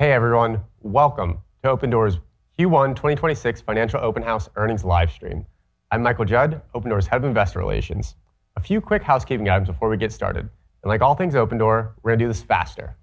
Hey, everyone. Welcome to Opendoor's Q1 2026 Financial Open House Earnings live stream. I'm Michael Judd, Opendoor's Head of Investor Relations. A few quick housekeeping items before we get started, like all things Opendoor, we're gonna do this faster.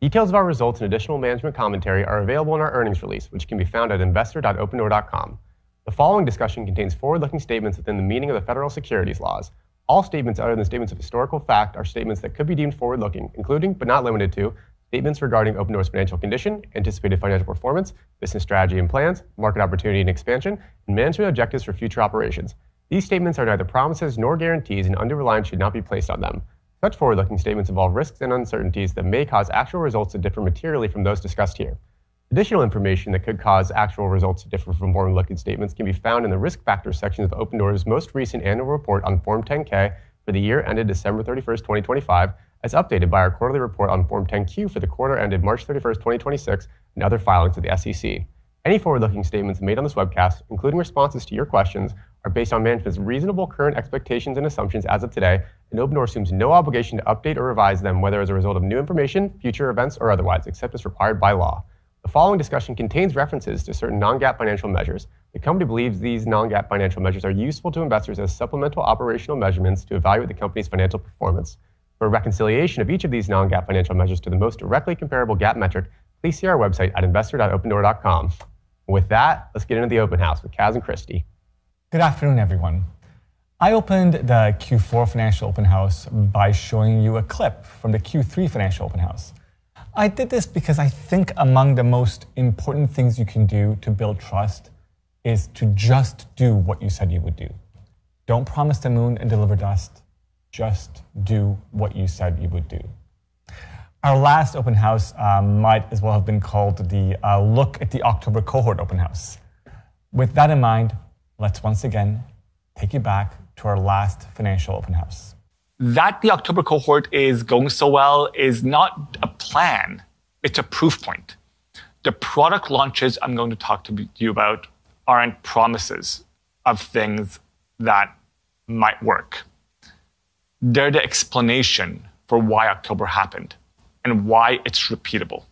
Details of our results and additional management commentary are available in our earnings release, which can be found at investor.opendoor.com. The following discussion contains forward-looking statements within the meaning of the federal securities laws. All statements other than statements of historical fact are statements that could be deemed forward-looking, including, but not limited to, statements regarding Opendoor's financial condition, anticipated financial performance, business strategy and plans, market opportunity and expansion, and management objectives for future operations. These statements are neither promises nor guarantees, undue reliance should not be placed on them. Such forward-looking statements involve risks and uncertainties that may cause actual results to differ materially from those discussed here. Additional information that could cause actual results to differ from forward-looking statements can be found in the Risk Factors section of Opendoor's most recent annual report on Form 10-K for the year ended December 31st, 2025, as updated by our quarterly report on Form 10-Q for the quarter ended March 31st, 2026, and other filings with the SEC. Any forward-looking statements made on this webcast, including responses to your questions, are based on management's reasonable current expectations and assumptions as of today, and Opendoor assumes no obligation to update or revise them, whether as a result of new information, future events, or otherwise, except as required by law. The following discussion contains references to certain non-GAAP financial measures. The company believes these non-GAAP financial measures are useful to investors as supplemental operational measurements to evaluate the company's financial performance. For a reconciliation of each of these non-GAAP financial measures to the most directly comparable GAAP metric, please see our website at investor.opendoor.com. With that, let's get into the open house with Kaz and Christy. Good afternoon, everyone. I opened the Q4 financial open house by showing you a clip from the Q3 financial open house. I did this because I think among the most important things you can do to build trust is to just do what you said you would do. Don't promise the moon and deliver dust. Just do what you said you would do. Our last open house might as well have been called the look at the October cohort open house. With that in mind, let's once again take you back to our last financial open house. That the October cohort is going so well is not a plan, it's a proof point. The product launches I'm going to talk to you about aren't promises of things that might work. They're the explanation for why October happened and why it's repeatable.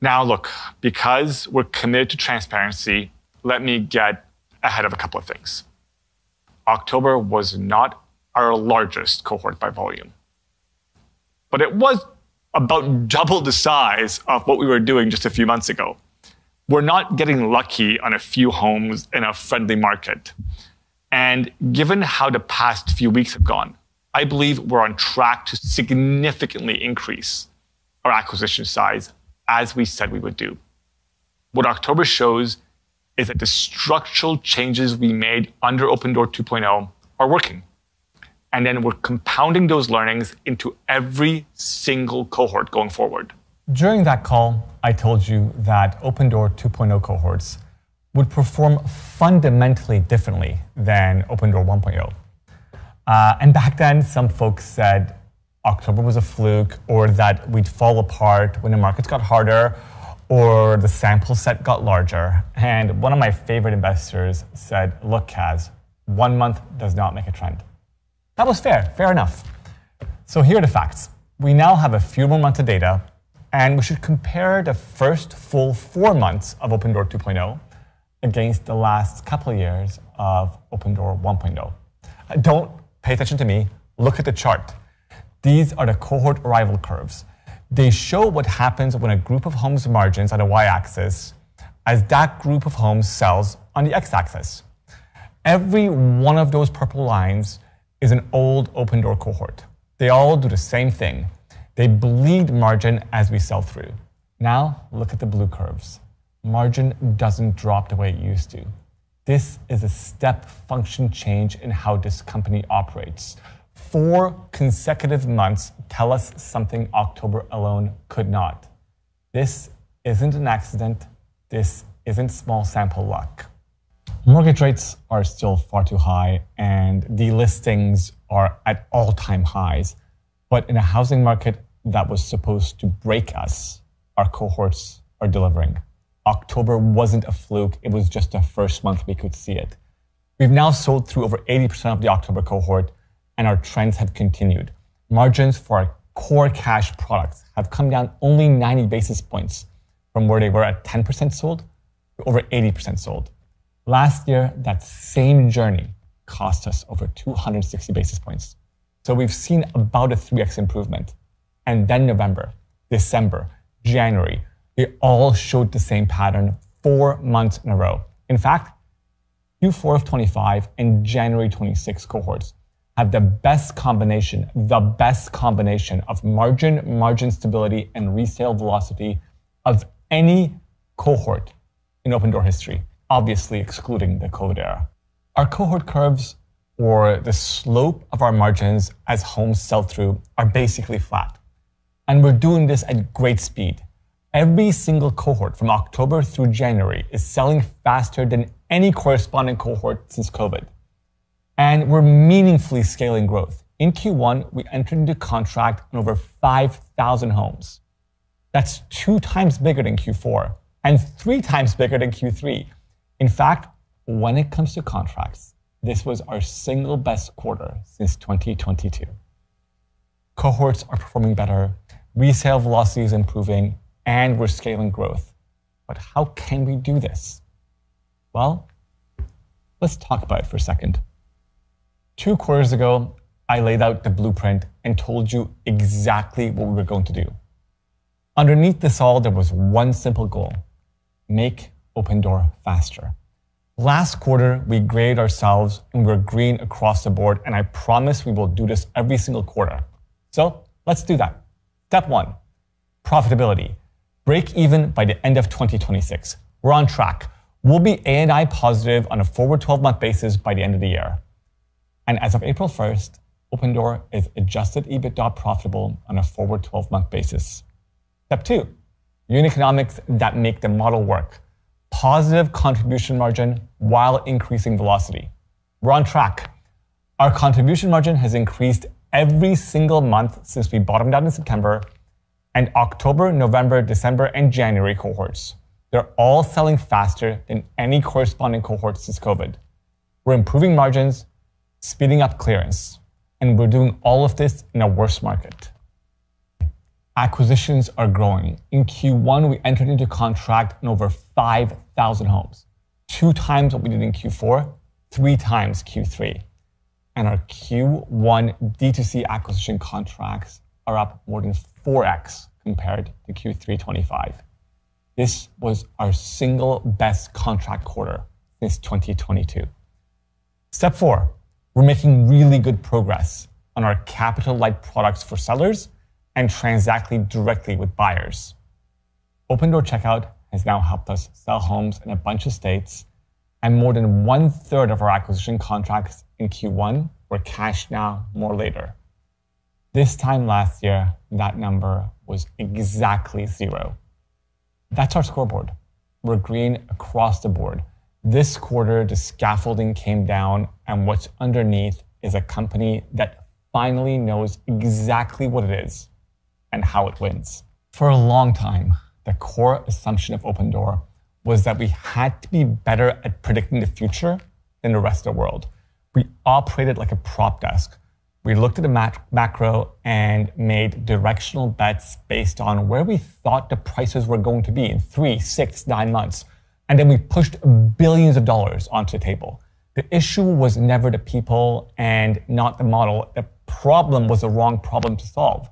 Now, look, because we're committed to transparency, let me get ahead of a couple of things. October was not our largest cohort by volume, but it was about 2x the size of what we were doing just a few months ago. Given how the past few weeks have gone, I believe we're on track to significantly increase our acquisition size, as we said we would do. What October shows is that the structural changes we made under Opendoor 2.0 are working. Then we're compounding those learnings into every single cohort going forward. During that call, I told you that Opendoor 2.0 cohorts would perform fundamentally differently than Opendoor 1.0. Back then, some folks said October was a fluke, or that we'd fall apart when the markets got harder or the sample set got larger. One of my favorite investors said, "Look, Kaz, one month does not make a trend." That was fair. Fair enough. Here are the facts. We now have a few more months of data, and we should compare the first full four months of Opendoor 2.0 against the last couple of years of Opendoor 1.0. Don't pay attention to me. Look at the chart. These are the cohort arrival curves. They show what happens when a group of homes margins on the Y-axis, as that group of homes sells on the X-axis. Every one of those purple lines is an old Opendoor cohort. They all do the same thing. They bleed margin as we sell through. Look at the blue curves. Margin doesn't drop the way it used to. This is a step function change in how this company operates. Four consecutive months tell us something October alone could not. This isn't an accident. This isn't small sample luck. Mortgage rates are still far too high, the listings are at all-time highs. In a housing market that was supposed to break us, our cohorts are delivering. October wasn't a fluke, it was just the first month we could see it. We've now sold through over 80% of the October cohort, our trends have continued. Margins for our core cash products have come down only 90 basis points from where they were at 10% sold to over 80% sold. Last year, that same journey cost us over 260 basis points. We've seen about a 3x improvement. November, December, January, they all showed the same pattern four months in a row. In fact, Q4 of 2025 and January 2026 cohorts have the best combination of margin stability, and resale velocity of any cohort in Opendoor history, obviously excluding the COVID era. Our cohort curves or the slope of our margins as homes sell through are basically flat, and we're doing this at great speed. Every single cohort from October through January is selling faster than any corresponding cohort since COVID. We're meaningfully scaling growth. In Q1, we entered into contract on over 5,000 homes. That's 2x bigger than Q4 and 3x bigger than Q3. In fact, when it comes to contracts, this was our single best quarter since 2022. Cohorts are performing better, resale velocity is improving, and we're scaling growth. How can we do this? Well, let's talk about it for a second. Two quarters ago, I laid out the blueprint and told you exactly what we were going to do. Underneath this all, there was one simple goal: make Opendoor faster. Last quarter, we graded ourselves and we're green across the board, and I promise we will do this every single quarter. Let's do that. Step one, profitability. Break even by the end of 2026. We're on track. We'll be ANI positive on a forward 12-month basis by the end of the year. As of April first, Opendoor is Adjusted EBITDA profitable on a forward 12-month basis. Step two, unit economics that make the model work. Positive contribution margin while increasing velocity. We're on track. Our contribution margin has increased every single month since we bottomed out in September, and October, November, December, and January cohorts, they're all selling faster than any corresponding cohort since COVID. We're improving margins, speeding up clearance. We're doing all of this in a worse market. Acquisitions are growing. In Q1, we entered into contract in over 5,000 homes, 2x what we did in Q4, 3x Q3. Our Q1 D2C acquisition contracts are up more than 4x compared to Q3 2025. This was our single best contract quarter since 2022. Step four, we're making really good progress on our capital-light products for sellers and transacting directly with buyers. Opendoor Checkout has now helped us sell homes in a bunch of states. More than one-third of our acquisition contracts in Q1 were Cash Now, More Later. This time last year, that number was exactly zero. That's our scoreboard. We're green across the board. This quarter, the scaffolding came down, and what's underneath is a company that finally knows exactly what it is and how it wins. For a long time, the core assumption of Opendoor was that we had to be better at predicting the future than the rest of the world. We operated like a prop desk. We looked at the macro and made directional bets based on where we thought the prices were going to be in three, six, nine months, and then we pushed billions of dollars onto the table. The issue was never the people and not the model. The problem was the wrong problem to solve.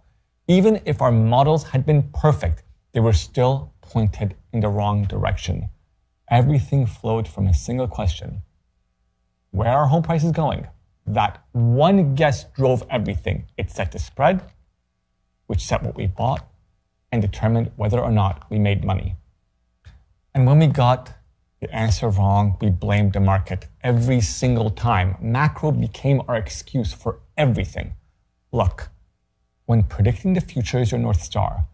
Even if our models had been perfect, they were still pointed in the wrong direction. Everything flowed from a single question: Where are home prices going? That one guess drove everything. It set the spread, which set what we bought, and determined whether or not we made money. When we got the answer wrong, we blamed the market every single time. Macro became our excuse for everything. Look, when predicting the future is your North Star,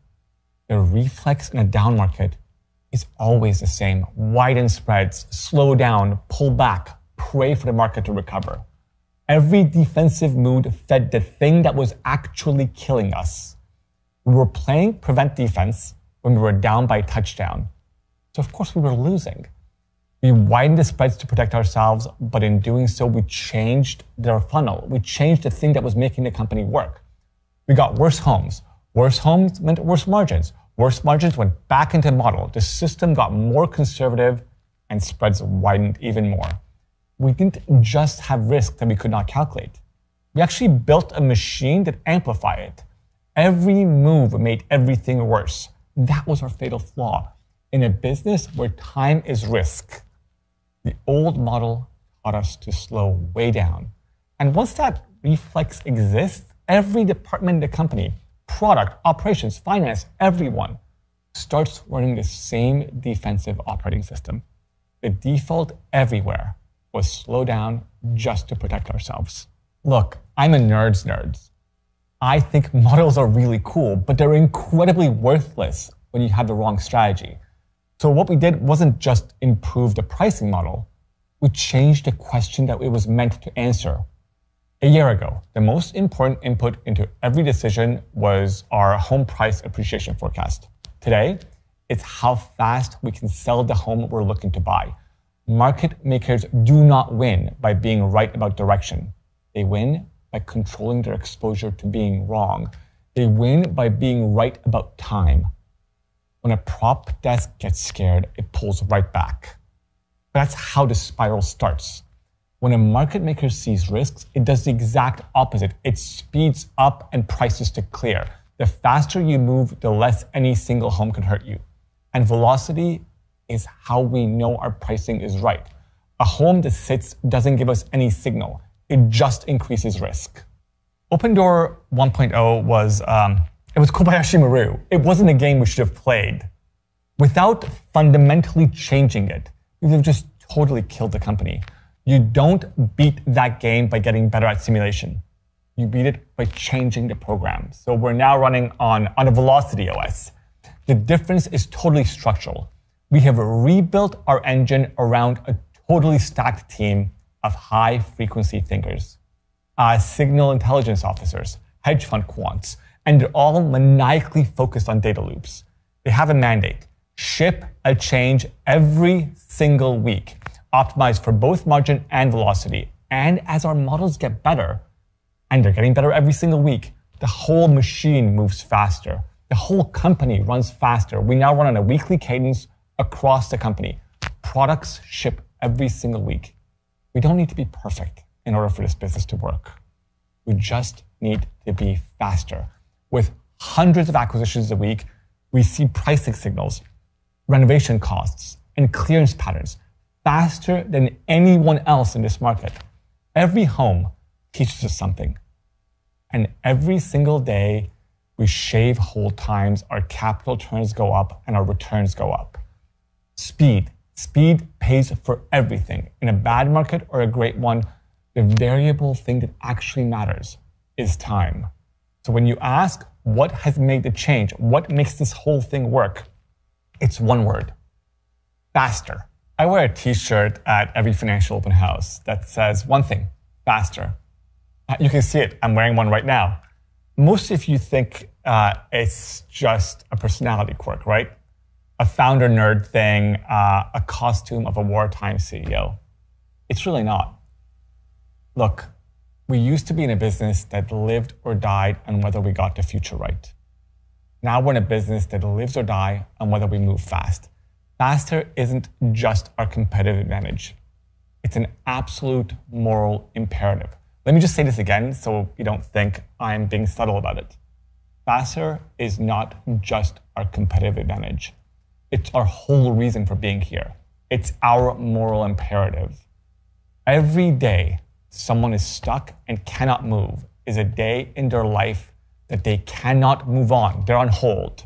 the reflex in a down market is always the same. Widen spreads, slow down, pull back, pray for the market to recover. Every defensive move fed the thing that was actually killing us. We were playing prevent defense when we were down by a touchdown. Of course, we were losing. We widened the spreads to protect ourselves, but in doing so, we changed the funnel. We changed the thing that was making the company work. We got worse homes. Worse homes meant worse margins. Worse margins went back into the model. The system got more conservative, and spreads widened even more. We didn't just have risk that we could not calculate. We actually built a machine that amplified it. Every move made everything worse. That was our fatal flaw. In a business where time is risk, the old model taught us to slow way down. Once that reflex exists, every department in the company, product, operations, finance, everyone, starts running the same defensive operating system. The default everywhere was slow down just to protect ourselves. Look, I'm a nerd's nerd. I think models are really cool, but they're incredibly worthless when you have the wrong strategy. What we did wasn't just improve the pricing model, we changed the question that it was meant to answer. A year ago, the most important input into every decision was our home price appreciation forecast. Today, it's how fast we can sell the home we're looking to buy. Market makers do not win by being right about direction. They win by controlling their exposure to being wrong. They win by being right about time. When a prop desk gets scared, it pulls right back. That's how the spiral starts. When a market maker sees risks, it does the exact opposite. It speeds up and prices to clear. The faster you move, the less any single home can hurt you. Velocity is how we know our pricing is right. A home that sits doesn't give us any signal. It just increases risk. Opendoor 1.0 was, it was Kobayashi Maru. It wasn't a game we should have played. Without fundamentally changing it, we would have just totally killed the company. You don't beat that game by getting better at simulation. You beat it by changing the program. We're now running on a velocity OS. The difference is totally structural. We have rebuilt our engine around a totally stacked team of high-frequency thinkers. Signal intelligence officers, hedge fund quants, and they're all maniacally focused on data loops. They have a mandate, ship a change every single week, optimized for both margin and velocity. As our models get better, and they're getting better every single week, the whole machine moves faster. The whole company runs faster. We now run on a weekly cadence across the company. Products ship every single week. We don't need to be perfect in order for this business to work. We just need to be faster. With 100s of acquisitions a week, we see pricing signals, renovation costs, and clearance patterns faster than anyone else in this market. Every home teaches us something. Every single day we shave hold times, our capital turns go up, and our returns go up. Speed. Speed pays for everything. In a bad market or a great one, the variable thing that actually matters is time. When you ask what has made the change, what makes this whole thing work, it's one word, faster. I wear a T-shirt at every financial open house that says one thing, faster. You can see it. I'm wearing one right now. Most of you think, it's just a personality quirk, right? A founder nerd thing, a costume of a wartime CEO. It's really not. Look, we used to be in a business that lived or died on whether we got the future right. Now we're in a business that lives or die on whether we move fast. Faster isn't just our competitive advantage. It's an absolute moral imperative. Let me just say this again so you don't think I'm being subtle about it. Faster is not just our competitive advantage. It's our whole reason for being here. It's our moral imperative. Every day someone is stuck and cannot move is a day in their life that they cannot move on. They're on hold.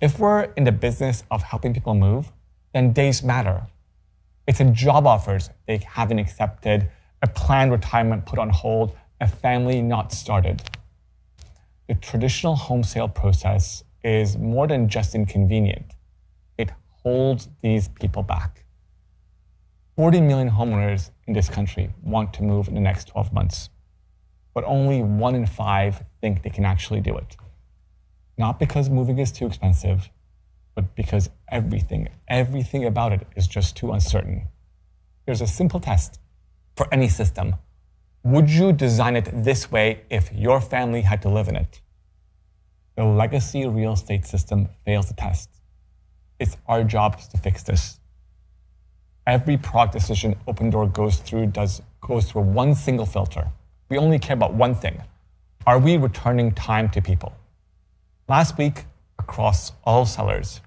If we're in the business of helping people move, then days matter. It's a job offers they haven't accepted, a planned retirement put on hold, a family not started. The traditional home sale process is more than just inconvenient. It holds these people back. 40 million homeowners in this country want to move in the next 12 months, but only one in five think they can actually do it. Not because moving is too expensive, but because everything about it is just too uncertain. Here's a simple test for any system. Would you design it this way if your family had to live in it? The legacy real estate system fails the test. It's our job to fix this. Every product decision Opendoor goes through goes through one single filter. We only care about one thing. Are we returning time to people? Last week, across all sellers,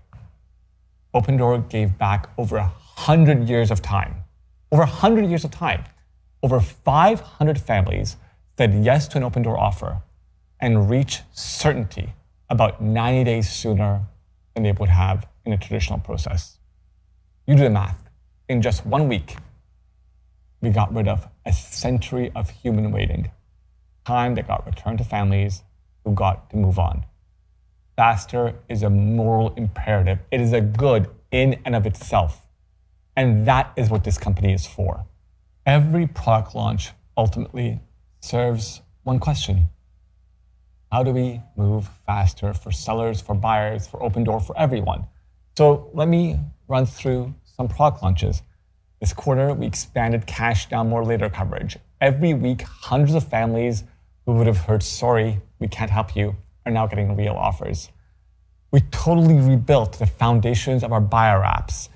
Opendoor gave back over 100 years of time. Over 100 years of time. Over 500 families said yes to an Opendoor offer and reached certainty about 90 days sooner than they would have in a traditional process. You do the math. In just one week, we got rid of a century of human waiting, time that got returned to families who got to move on. Faster is a moral imperative. It is a good in and of itself. That is what this company is for. Every product launch ultimately serves one question. How do we move faster for sellers, for buyers, for Opendoor, for everyone? Let me run through on product launches. This quarter, we expanded Cash Now, More Later coverage. Every week, 100s of families who would have heard, "Sorry, we can't help you," are now getting real offers. We totally rebuilt the foundations of our buyer apps.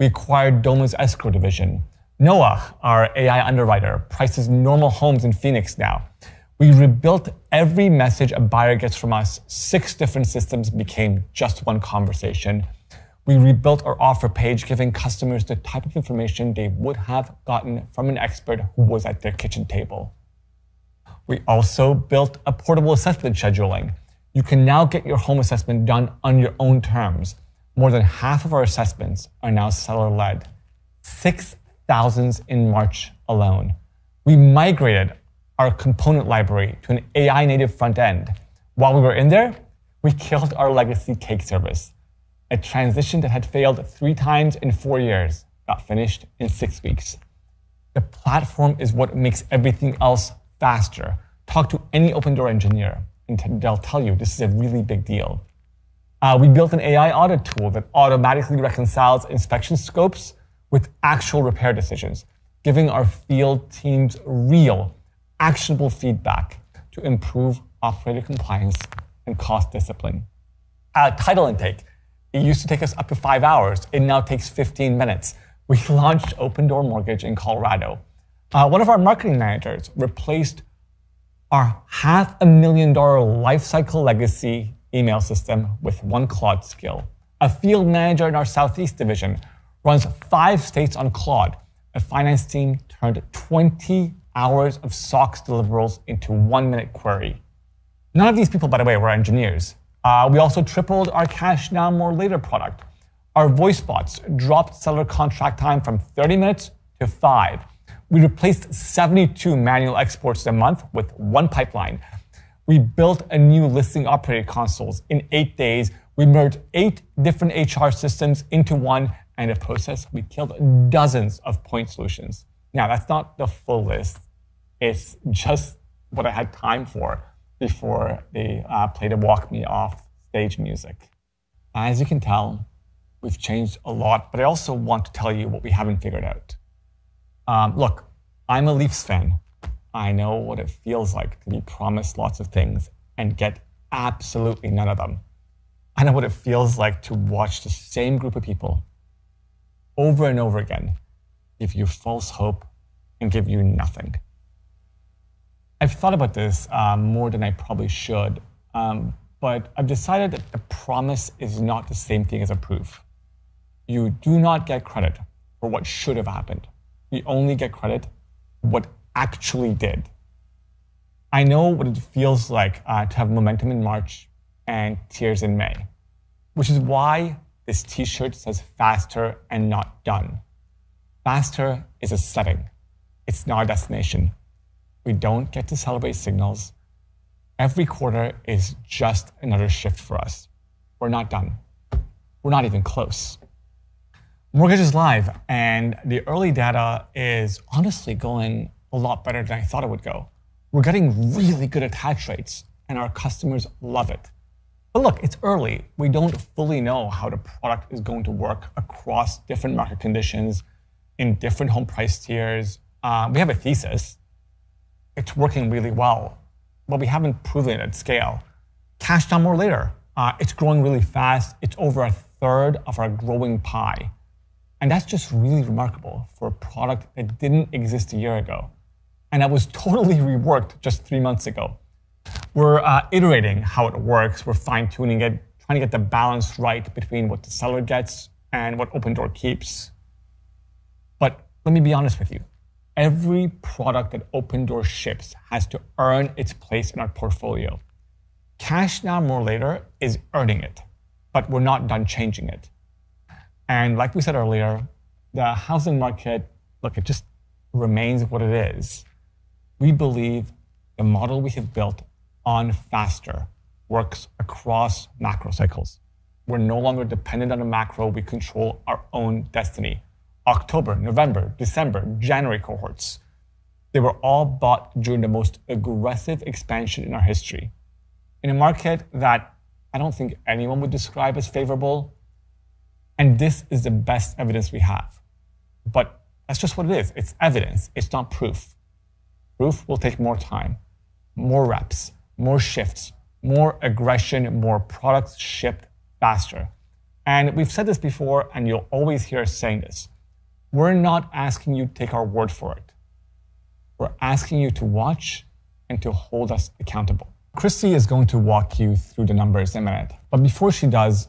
We acquired Doma's escrow division. Noah, our AI underwriter, prices normal homes in Phoenix now. We rebuilt every message a buyer gets from us. Six different systems became just one conversation. We rebuilt our offer page, giving customers the type of information they would have gotten from an expert who was at their kitchen table. We also built a portable assessment scheduling. You can now get your home assessment done on your own terms. More than half of our assessments are now seller-led, 6,000 in March alone. We migrated our component library to an AI-native front end. While we were in there, we killed our legacy K8s service. A transition that had failed 3 times in four years got finished in six weeks. The platform is what makes everything else faster. Talk to any Opendoor engineer, and they'll tell you this is a really big deal. We built an AI audit tool that automatically reconciles inspection scopes with actual repair decisions, giving our field teams real, actionable feedback to improve operator compliance and cost discipline. At title intake, it used to take us up to five hours. It now takes 15 minutes. We launched Opendoor Mortgage in Colorado. One of our marketing managers replaced our $500,000 lifecycle legacy email system with one Cloud SQL. A field manager in our Southeast division runs five states on cloud. A finance team turned 20 hours of SOX deliverables into one-minute query. None of these people, by the way were engineers, we also tripled our Cash Now, More Later product. Our voice bots dropped seller contract time from 30 minutes to five. We replaced 72 manual exports a month with one pipeline. We built a new listing operating consoles in eight days. We merged eight different HR systems into one. In the process, we killed dozens of point solutions. Now, that's not the full list. It's just what I had time for before they played the walk me off stage music. As you can tell, we've changed a lot, but I also want to tell you what we haven't figured out. Look, I'm a Leafs fan. I know what it feels like to be promised lots of things and get absolutely none of them. I know what it feels like to watch the same group of people over and over again give you false hope and give you nothing. I've thought about this more than I probably should. I've decided that a promise is not the same thing as a proof. You do not get credit for what should have happened. You only get credit for what actually did. I know what it feels like to have momentum in March and tears in May, which is why this T-shirt says faster and not done. Faster is a setting. It's not a destination. We don't get to celebrate signals. Every quarter is just another shift for us. We're not done. We're not even close. Mortgage is live. The early data is honestly going a lot better than I thought it would go. We're getting really good attach rates. Our customers love it. Look, it's early. We don't fully know how the product is going to work across different market conditions in different home price tiers. We have a thesis. It's working really well. We haven't proven it at scale, Cash Now, More Later. It's growing really fast. It's over a third of our growing pie. That's just really remarkable for a product that didn't exist a year ago, and that was totally reworked just three months ago. We're iterating how it works. We're fine-tuning it, trying to get the balance right between what the seller gets and what Opendoor keeps. Let me be honest with you. Every product that Opendoor ships has to earn its place in our portfolio. Cash Now, More Later is earning it, but we're not done changing it. Like we said earlier, the housing market, look, it just remains what it is. We believe the model we have built on faster works across macro cycles. We're no longer dependent on a macro. We control our own destiny. October, November, December, January cohorts, they were all bought during the most aggressive expansion in our history in a market that I don't think anyone would describe as favorable, and this is the best evidence we have. That's just what it is. It's evidence. It's not proof. Proof will take more time, more reps, more shifts, more aggression, more products shipped faster. We've said this before, and you'll always hear us saying this. We're not asking you to take our word for it. We're asking you to watch and to hold us accountable. Christy is going to walk you through the numbers in a minute, but before she does,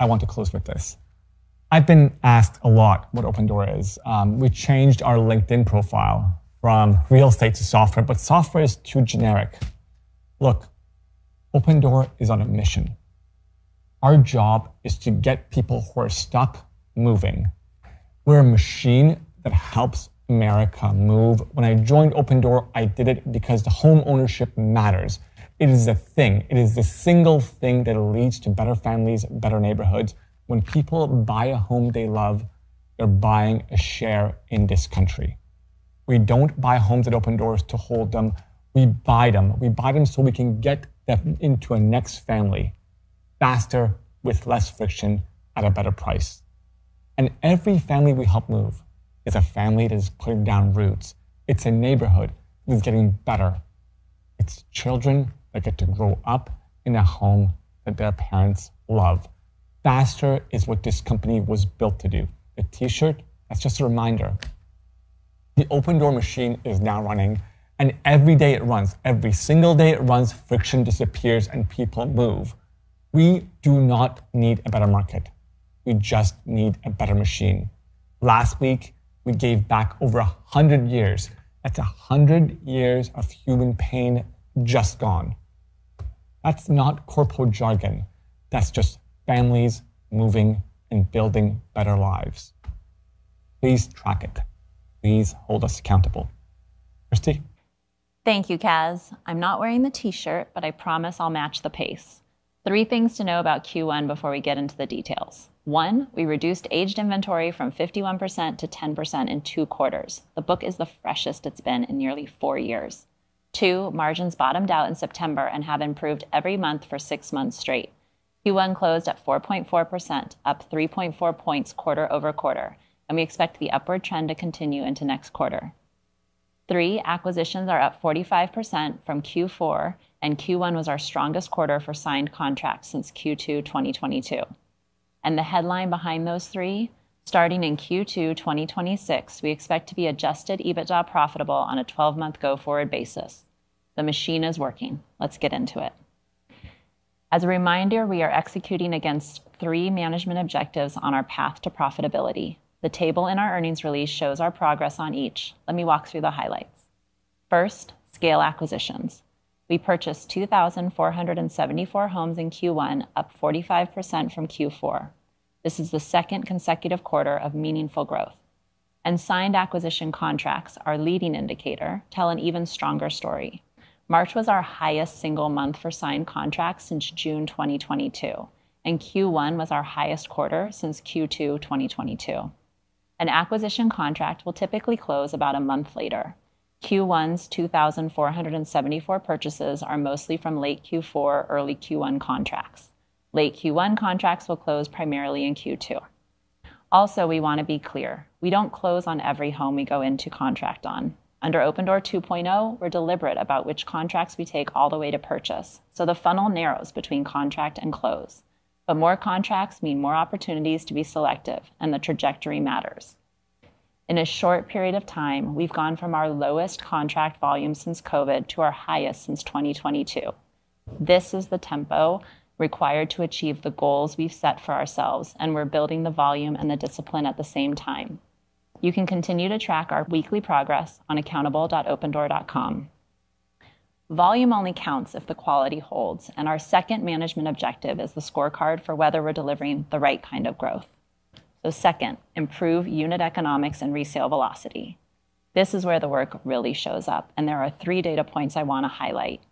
I want to close with this. I've been asked a lot what Opendoor is. We changed our LinkedIn profile from real estate to software, but software is too generic. Look, Opendoor is on a mission. Our job is to get people who are stuck moving. We're a machine that helps America move. When I joined Opendoor, I did it because the homeownership matters. It is a thing. It is the single thing that leads to better families, better neighborhoods. When people buy a home they love, they're buying a share in this country. We don't buy homes at Opendoor to hold them. We buy them. We buy them so we can get them into a next family faster, with less friction, at a better price. Every family we help move is a family that is putting down roots. It's a neighborhood that's getting better. It's children that get to grow up in a home that their parents love. Faster is what this company was built to do. The T-shirt, that's just a reminder. The Opendoor machine is now running, and every day it runs, every single day it runs, friction disappears and people move. We do not need a better market. We just need a better machine. Last week, we gave back over 100 years. That's 100 years of human pain just gone. That's not corporate jargon. That's just families moving and building better lives. Please track it. Please hold us accountable. Christy. Thank you, Kaz. I'm not wearing the T-shirt, but I promise I'll match the pace. Three things to know about Q1 before we get into the details. One, we reduced aged inventory from 51% to 10% in two quarters. The book is the freshest it's been in nearly four years. Two, margins bottomed out in September and have improved every month for six months straight. Q1 closed at 4.4%, up 3.4 points quarter-over-quarter, and we expect the upward trend to continue into next quarter. Three, acquisitions are up 45% from Q4, Q1 was our strongest quarter for signed contracts since Q2 2022. The headline behind those three, starting in Q2 2026, we expect to be Adjusted EBITDA profitable on a 12-month go-forward basis. The machine is working. Let's get into it. As a reminder, we are executing against three management objectives on our path to profitability. The table in our earnings release shows our progress on each. Let me walk through the highlights. First, scale acquisitions. We purchased 2,474 homes in Q1, up 45% from Q4. This is the second consecutive quarter of meaningful growth. Signed acquisition contracts, our leading indicator, tell an even stronger story. March was our highest single month for signed contracts since June 2022, and Q1 was our highest quarter since Q2 2022. An acquisition contract will typically close about a month later. Q1's 2,474 purchases are mostly from late Q4, early Q1 contracts. Late Q1 contracts will close primarily in Q2. Also, we wanna be clear, we don't close on every home we go into contract on. Under Opendoor 2.0, we're deliberate about which contracts we take all the way to purchase, the funnel narrows between contract and close. More contracts mean more opportunities to be selective, and the trajectory matters. In a short period of time, we've gone from our lowest contract volume since COVID to our highest since 2022. This is the tempo required to achieve the goals we've set for ourselves, and we're building the volume and the discipline at the same time. You can continue to track our weekly progress on accountable.opendoor.com. Volume only counts if the quality holds, and our second management objective is the scorecard for whether we're delivering the right kind of growth. Second, improve unit economics and resale velocity. This is where the work really shows up, and there are three data points I wanna highlight.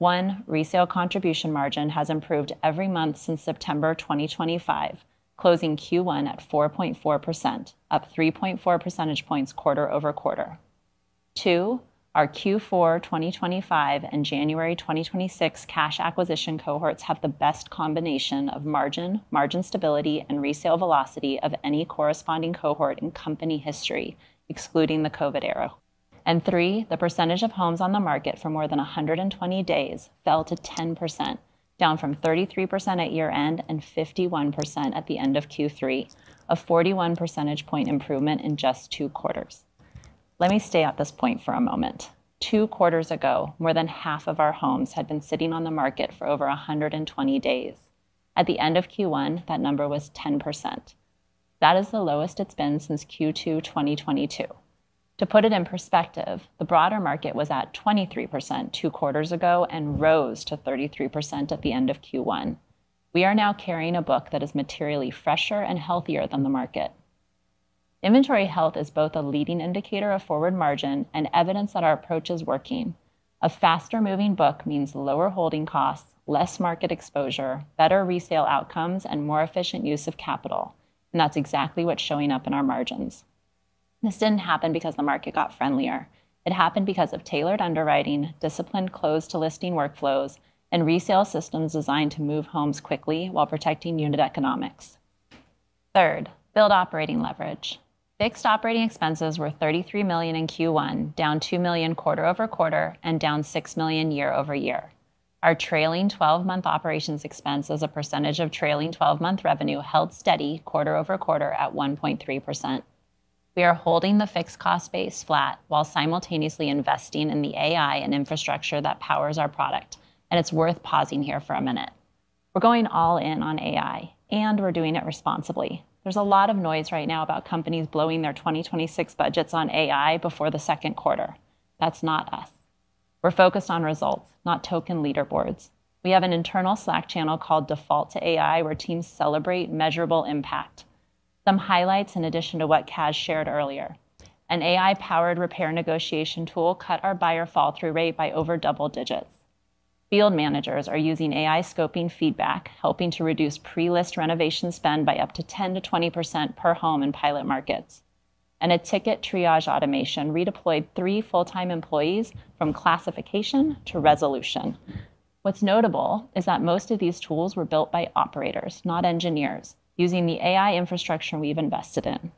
One, resale contribution margin has improved every month since September 2025, closing Q1 at 4.4%, up 3.4 percentage points quarter-over-quarter. Two, our Q4 2025 and January 2026 cash acquisition cohorts have the best combination of margin stability, and resale velocity of any corresponding cohort in company history, excluding the COVID era. Three, the percentage of homes on the market for more than 120 days fell to 10%, down from 33% at year-end and 51% at the end of Q3, a 41 percentage point improvement in just two quarters. Let me stay at this point for a moment. Two quarters ago, more than half of our homes had been sitting on the market for over 120 days. At the end of Q1, that number was 10%. That is the lowest it's been since Q2 2022. To put it in perspective, the broader market was at 23% two quarters ago and rose to 33% at the end of Q1. We are now carrying a book that is materially fresher and healthier than the market. Inventory health is both a leading indicator of forward margin and evidence that our approach is working. A faster moving book means lower holding costs, less market exposure, better resale outcomes, and more efficient use of capital, and that's exactly what's showing up in our margins. This didn't happen because the market got friendlier. It happened because of tailored underwriting, disciplined close to listing workflows, and resale systems designed to move homes quickly while protecting unit economics. Third, build operating leverage. Fixed operating expenses were $33 million in Q1, down $2 million quarter-over-quarter and down $6 million year-over-year. Our trailing 12-month operations expense as a percentage of trailing twelve-month revenue held steady quarter-over-quarter at 1.3%. We are holding the fixed cost base flat while simultaneously investing in the AI and infrastructure that powers our product, and it's worth pausing here for a minute. We're going all in on AI, and we're doing it responsibly. There's a lot of noise right now about companies blowing their 2026 budgets on AI before the second quarter. That's not us. We're focused on results, not token leaderboards. We have an internal Slack channel called Default to AI where teams celebrate measurable impact. Some highlights in addition to what Kaz shared earlier, an AI-powered repair negotiation tool cut our buyer fall-through rate by over double digits. Field managers are using AI scoping feedback, helping to reduce pre-list renovation spend by up to 10% to 20% per home in pilot markets. A ticket triage automation redeployed three full-time employees from classification to resolution. What's notable is that most of these tools were built by operators, not engineers, using the AI infrastructure we've invested in.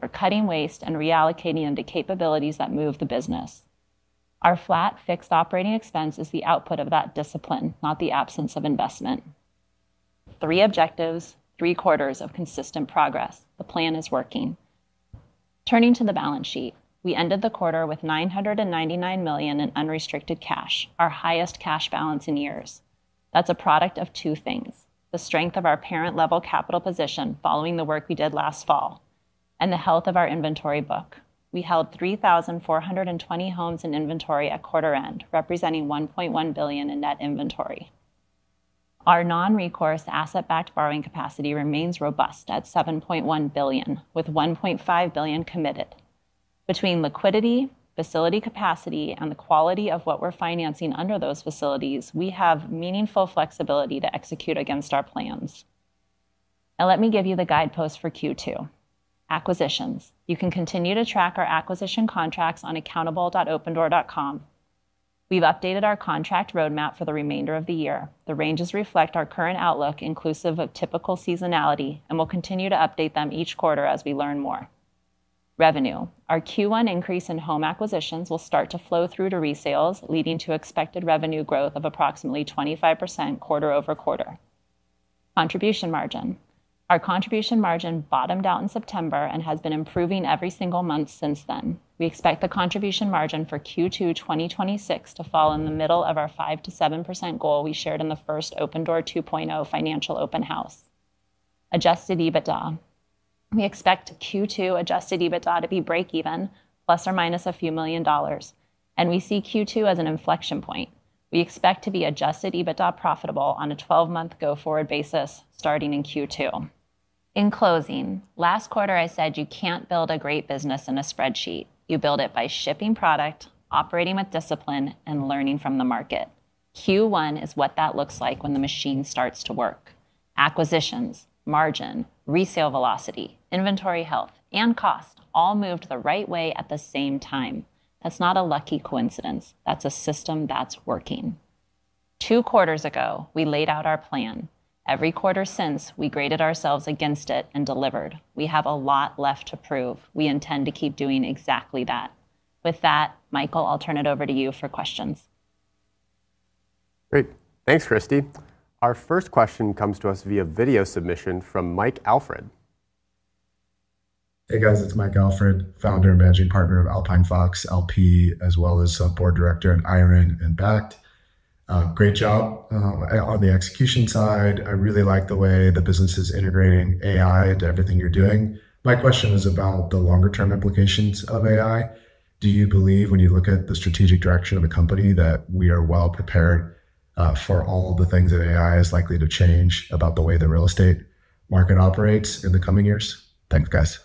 We're cutting waste and reallocating into capabilities that move the business. Our flat fixed operating expense is the output of that discipline, not the absence of investment. Three objectives, three quarters of consistent progress. The plan is working. Turning to the balance sheet, we ended the quarter with $999 million in unrestricted cash, our highest cash balance in years. That's a product of two things, the strength of our parent level capital position following the work we did last fall, and the health of our inventory book. We held 3,420 homes in inventory at quarter end, representing $1.1 billion in net inventory. Our non-recourse asset-backed borrowing capacity remains robust at $7.1 billion, with $1.5 billion committed. Between liquidity, facility capacity, and the quality of what we're financing under those facilities, we have meaningful flexibility to execute against our plans. Let me give you the guidepost for Q2. Acquisitions. You can continue to track our acquisition contracts on accountable.opendoor.com. We've updated our contract roadmap for the remainder of the year. The ranges reflect our current outlook inclusive of typical seasonality, and we'll continue to update them each quarter as we learn more. Revenue. Our Q1 increase in home acquisitions will start to flow through to resales, leading to expected revenue growth of approximately 25% quarter-over-quarter. Contribution Margin. Our contribution margin bottomed out in September and has been improving every single month since then. We expect the contribution margin for Q2 2026 to fall in the middle of our 5%-7% goal we shared in the first Opendoor 2.0 financial open house. Adjusted EBITDA. We expect Q2 Adjusted EBITDA to be break even, plus or minus a few million dollars. We see Q2 as an inflection point. We expect to be Adjusted EBITDA profitable on a 12-month go-forward basis starting in Q2. In closing, last quarter I said you can't build a great business in a spreadsheet. You build it by shipping product, operating with discipline, and learning from the market. Q1 is what that looks like when the machine starts to work. Acquisitions, margin, resale velocity, inventory health, and cost all moved the right way at the same time. That's not a lucky coincidence. That's a system that's working. Two quarters ago, we laid out our plan. Every quarter since, we graded ourselves against it and delivered. We have a lot left to prove. We intend to keep doing exactly that. With that, Michael, I'll turn it over to you for questions. Great. Thanks, Christy. Our first question comes to us via video submission from Mike Alfred. Hey, guys, it's Mike Alfred, founder and managing partner of Alpine Fox LP, as well as a board director at IREN and Bakkt. Great job on the execution side. I really like the way the business is integrating AI into everything you're doing. My question is about the longer term implications of AI. Do you believe when you look at the strategic direction of the company that we are well prepared for all the things that AI is likely to change about the way the real estate market operates in the coming years? Thanks, guys.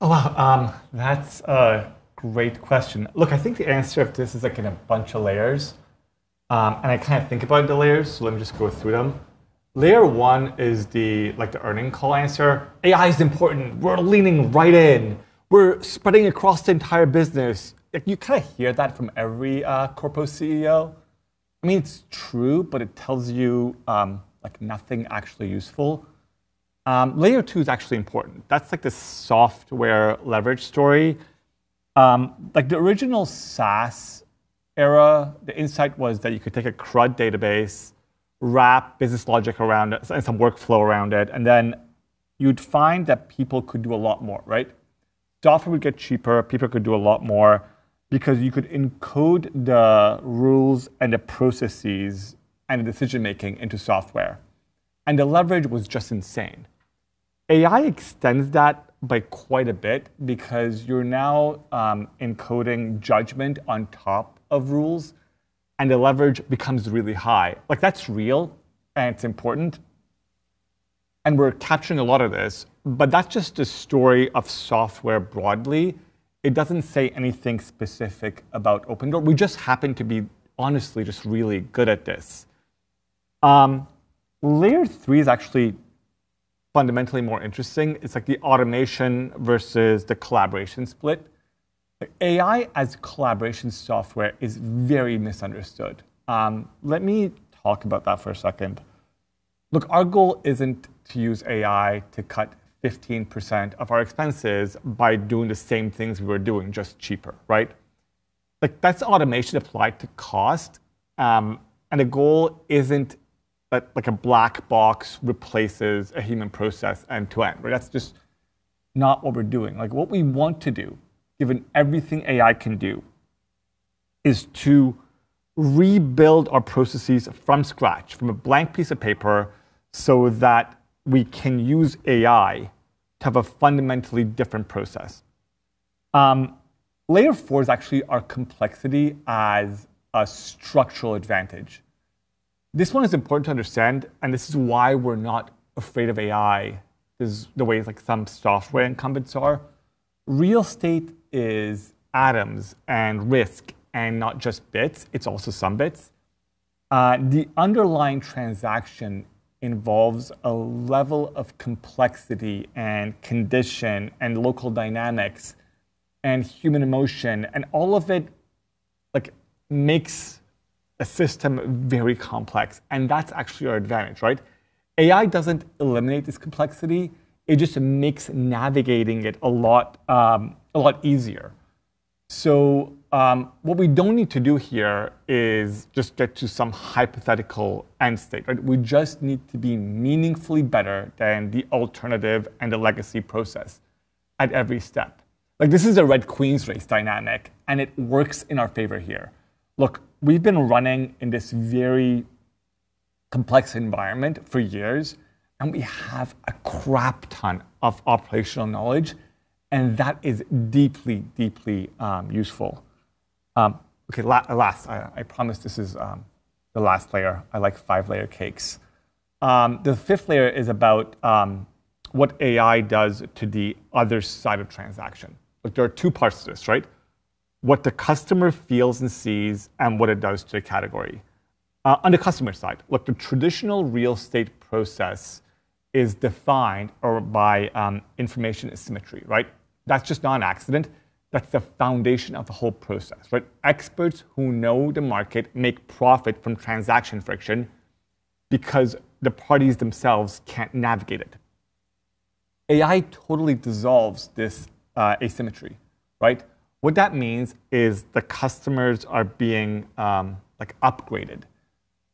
Oh, wow, that's a great question. Look, I think the answer of this is like in a bunch of layers. I kind of think about the layers, so let me just go through them. Layer one is the, like, the earning call answer. AI is important. We're leaning right in. We're spreading across the entire business. You kind of hear that from every corporate CEO. I mean, it's true, but it tells you like nothing actually useful. Layer two is actually important. That's like the software leverage story. Like the original SaaS era, the insight was that you could take a CRUD database, wrap business logic around it and some workflow around it, and then you'd find that people could do a lot more, right? Software would get cheaper. People could do a lot more because you could encode the rules and the processes and the decision-making into software. The leverage was just insane. AI extends that by quite a bit because you're now encoding judgment on top of rules, the leverage becomes really high. That's real, it's important, we're capturing a lot of this, but that's just a story of software broadly. It doesn't say anything specific about Opendoor. We just happen to be honestly just really good at this. Layer three is actually fundamentally more interesting. It's like the automation versus the collaboration split. AI as collaboration software is very misunderstood. Let me talk about that for a second. Look, our goal isn't to use AI to cut 15% of our expenses by doing the same things we were doing, just cheaper, right? Like, that's automation applied to cost. The goal isn't that, like, a black box replaces a human process end to end. Right? That's just not what we're doing. Like, what we want to do, given everything AI can do, is to rebuild our processes from scratch, from a blank piece of paper, so that we can use AI to have a fundamentally different process. Layer four is actually our complexity as a structural advantage. This one is important to understand, and this is why we're not afraid of AI as the way like some software incumbents are. Real estate is atoms and risk and not just bits. It's also some bits. The underlying transaction involves a level of complexity and condition and local dynamics and human emotion, and all of it, like, makes the system very complex, and that's actually our advantage, right? AI doesn't eliminate this complexity. It just makes navigating it a lot, a lot easier. What we don't need to do here is just get to some hypothetical end state. We just need to be meaningfully better than the alternative and the legacy process at every step. Like, this is a Red Queen's race dynamic, and it works in our favor here. Look, we've been running in this very complex environment for years, and we have a crap ton of operational knowledge, and that is deeply useful. Okay, last, I promise this is the last layer. I like five-layer cakes. The fifth layer is about what AI does to the other side of transaction. Like, there are two parts to this, right? What the customer feels and sees and what it does to the category. On the customer side, look, the traditional real estate process is defined or by information asymmetry, right? That's just not an accident. That's the foundation of the whole process, right? Experts who know the market make profit from transaction friction because the parties themselves can't navigate it. AI totally dissolves this asymmetry, right? What that means is the customers are being, like, upgraded.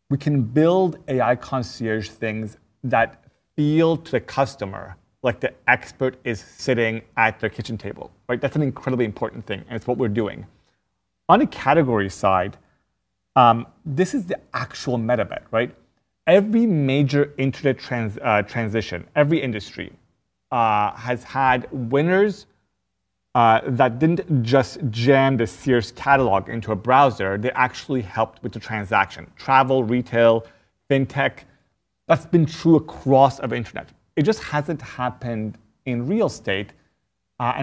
We can build AI concierge things that feel to the customer like the expert is sitting at their kitchen table, right? That's an incredibly important thing, and it's what we're doing. On the category side, this is the actual meta bet, right? Every major internet transition, every industry has had winners that didn't just jam the Sears catalog into a browser, they actually helped with the transaction. Travel, retail, fintech. That's been true across every internet. It just hasn't happened in real estate.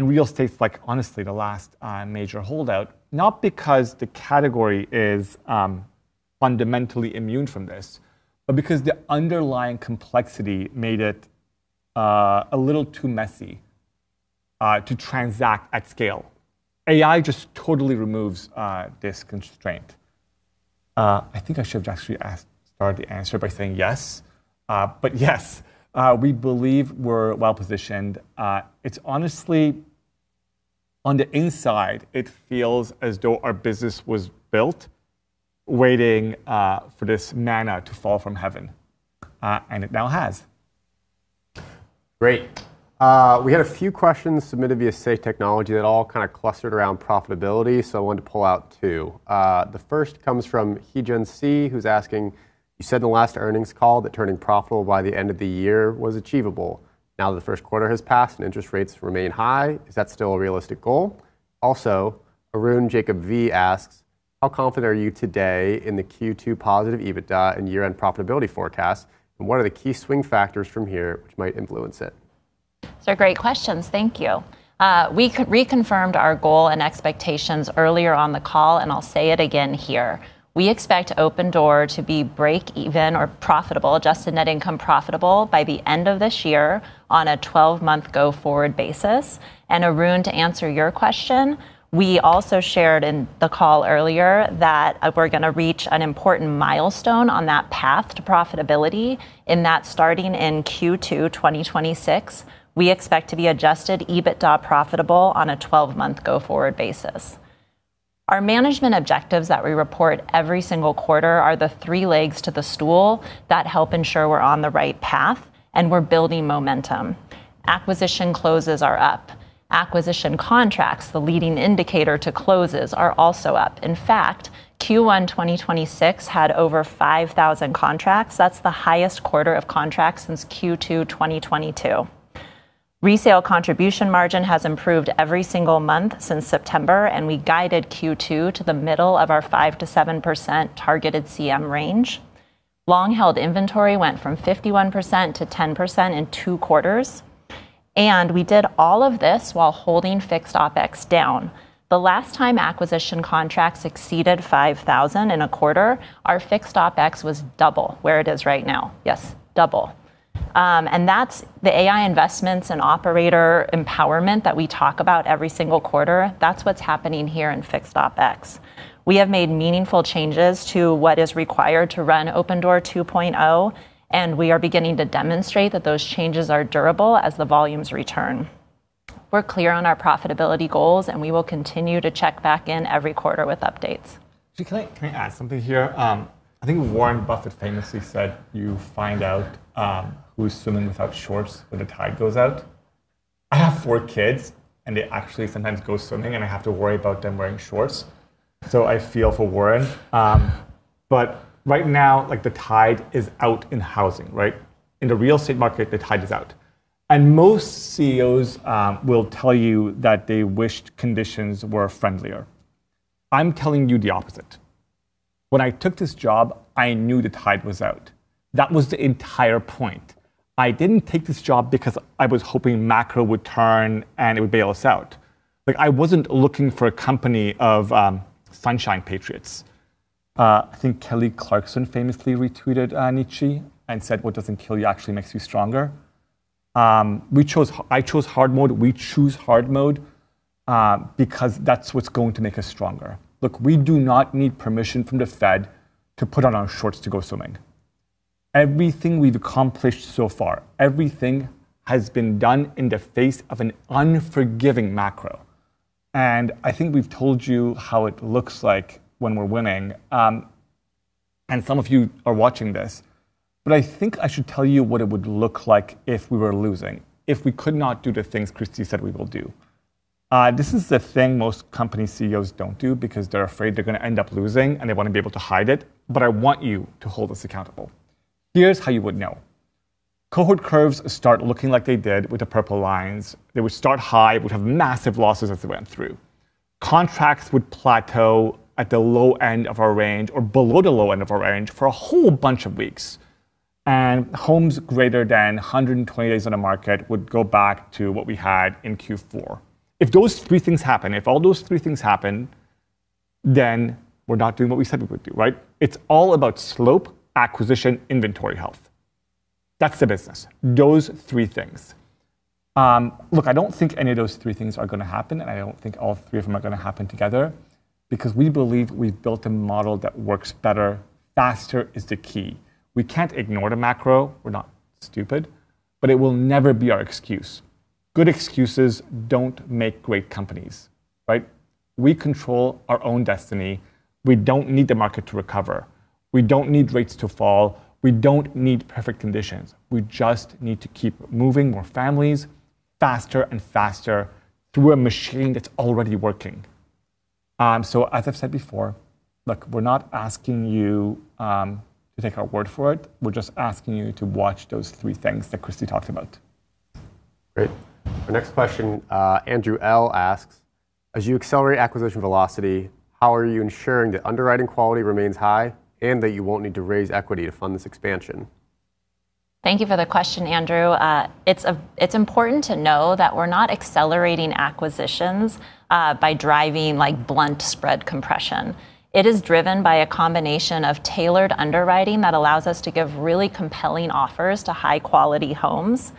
Real estate's, like, honestly the last, major holdout. Not because the category is fundamentally immune from this, but because the underlying complexity made it a little too messy to transact at scale. AI just totally removes this constraint. I think I should have actually started the answer by saying yes. Yes, we believe we're well-positioned. It's honestly On the inside, it feels as though our business was built waiting for this manna to fall from heaven, and it now has. Great. We had a few questions submitted via Say Technologies that all kind of clustered around profitability, so I wanted to pull out two. The first comes from Heejun C., who's asking, "You said in the last earnings call that turning profitable by the end of the year was achievable. Now that the first quarter has passed and interest rates remain high, is that still a realistic goal?" Arun Jacob V. asks, "How confident are you today in the Q2 positive EBITDA and year-end profitability forecast? What are the key swing factors from here which might influence it? Those are great questions. Thank you. We reconfirmed our goal and expectations earlier on the call. I'll say it again here. We expect Opendoor to be break-even or profitable, Adjusted Net Income profitable by the end of this year on a 12-month go-forward basis. Arun, to answer your question, we also shared in the call earlier that we're going to reach an important milestone on that path to profitability, in that starting in Q2 2026, we expect to be Adjusted EBITDA profitable on a 12-month go-forward basis. Our management objectives that we report every single quarter are the three legs to the stool that help ensure we're on the right path. We're building momentum. Acquisition closes are up. Acquisition contracts, the leading indicator to closes, are also up. In fact, Q1 2026 had over 5,000 contracts. That's the highest quarter of contracts since Q2 2022. Resale Contribution Margin has improved every single month since September. We guided Q2 to the middle of our 5%-7% targeted CM range. Long-held inventory went from 51% to 10% in two quarters. We did all of this while holding fixed OpEx down. The last time acquisition contracts exceeded 5,000 in a quarter, our fixed OpEx was double where it is right now. Yes, double. That's the AI investments and operator empowerment that we talk about every single quarter. That's what's happening here in fixed OpEx. We have made meaningful changes to what is required to run Opendoor 2.0. We are beginning to demonstrate that those changes are durable as the volumes return. We're clear on our profitability goals. We will continue to check back in every quarter with updates. Can I, can I add something here? I think Warren Buffett famously said you find out who's swimming without shorts when the tide goes out. I have four kids, they actually sometimes go swimming, and I have to worry about them wearing shorts. I feel for Warren. Right now, like, the tide is out in housing, right? In the real estate market, the tide is out. Most CEOs will tell you that they wished conditions were friendlier. I'm telling you the opposite. When I took this job, I knew the tide was out. That was the entire point. I didn't take this job because I was hoping macro would turn, and it would bail us out. Like, I wasn't looking for a company of sunshine patriots. I think Kelly Clarkson famously retweeted Nietzsche, and said, "What doesn't kill you actually makes you stronger." I chose hard mode. We choose hard mode because that's what's going to make us stronger. Look, we do not need permission from the Fed to put on our shorts to go swimming. Everything we've accomplished so far, everything has been done in the face of an unforgiving macro. I think we've told you how it looks like when we're winning. Some of you are watching this. I think I should tell you what it would look like if we were losing, if we could not do the things Christy said we will do. This is the thing most company CEOs don't do because they're afraid they're gonna end up losing, and they wanna be able to hide it, but I want you to hold us accountable. Here's how you would know. Cohort curves start looking like they did with the purple lines. They would start high. We'd have massive losses as we went through. Contracts would plateau at the low end of our range or below the low end of our range for a whole bunch of weeks. Homes greater than 120 days on the market would go back to what we had in Q4. If those three things happen, if all those three things happen, then we're not doing what we said we would do, right. It's all about slope, acquisition, inventory health. That's the business. Those three things. Look, I don't think any of those three things are gonna happen, and I don't think all three of them are gonna happen together because we believe we've built a model that works better. Faster is the key. We can't ignore the macro. We're not stupid. It will never be our excuse. Good excuses don't make great companies, right? We control our own destiny. We don't need the market to recover. We don't need rates to fall. We don't need perfect conditions. We just need to keep moving more families faster and faster through a machine that's already working. As I've said before, look, we're not asking you to take our word for it. We're just asking you to watch those three things that Christy talked about. Great. Our next question, Andrew L. asks, "As you accelerate acquisition velocity, how are you ensuring the underwriting quality remains high and that you won't need to raise equity to fund this expansion? Thank you for the question, Andrew. It's important to know that we're not accelerating acquisitions, by driving, like, blunt spread compression. It is driven by a combination of tailored underwriting that allows us to give really compelling offers to high quality homes,